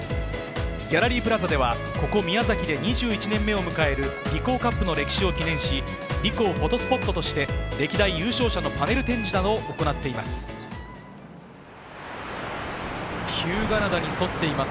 ギャラリープラザではここ宮崎で２１年目を迎えるリコーカップの歴史を記念し、リコーフォトスポットとして歴代優勝者のパネル展示などを行っています。